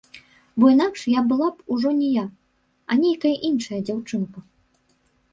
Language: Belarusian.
Бо інакш я была б ўжо не я, а нейкая іншая дзяўчынка.